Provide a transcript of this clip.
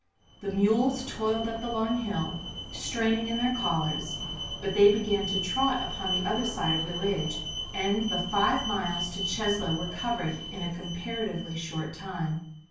The mules toiled up the long hill, straining in their collars; but they began to trot upon the other side of the ridge and the five miles to Cheslow were covered in a comparatively short time.